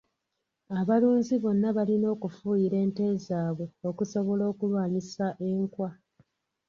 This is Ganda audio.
Abalunzi bonna balina okufuuyira ente zaabwe okusobola okulwanyisa enkwa.